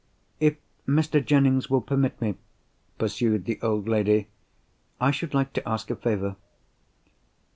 "If Mr. Jennings will permit me," pursued the old lady, "I should like to ask a favour.